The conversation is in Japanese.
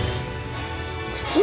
靴？